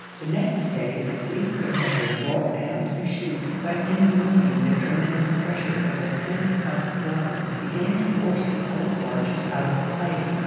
The next day the fleet could have been brought down to the chute; but in the morning the tremendous pressure of the pent up waters began to force the coal barges out of place.